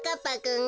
ん？